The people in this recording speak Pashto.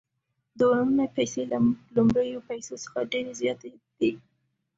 دویمې پیسې له لومړیو پیسو څخه ډېرې زیاتې دي